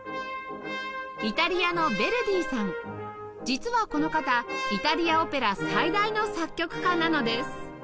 イタリアの実はこの方イタリアオペラ最大の作曲家なのです